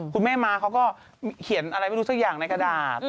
ม้าเขาก็เขียนอะไรไม่รู้สักอย่างในกระดาษ